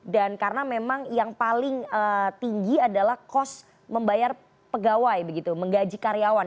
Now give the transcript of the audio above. dan karena memang yang paling tinggi adalah cost membayar pegawai begitu menggaji karyawan